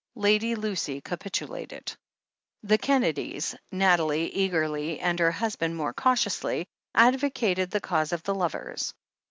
Lady Lucy capitulated. The Kennedys, Nathalie eagerly and her husband more cautiously, advocated the cause of the lovers.